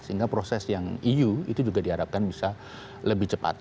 sehingga proses yang eu itu juga diharapkan bisa lebih cepat